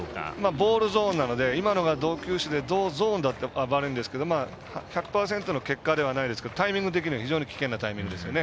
ボールゾーンなので今のが同球種で同ゾーンだったら悪いんですけど１００％の結果ではないですけどタイミング的には非常に危険なタイミングですよね。